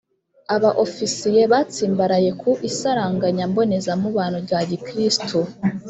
aba ofisiye batsimbaraye ku isaranganya mbonezamubano rya gikristu